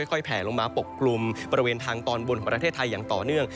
แผลลงมาปกกลุ่มบริเวณทางตอนบนของประเทศไทยอย่างต่อเนื่อง